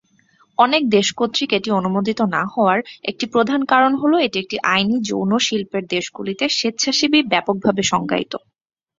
অনেক দেশ কর্তৃক এটি অনুমোদিত না হওয়ার একটি প্রধান কারণ হল এটি একটি আইনী যৌন শিল্পের দেশগুলিতে 'স্বেচ্ছাসেবী' ব্যাপকভাবে সংজ্ঞায়িত।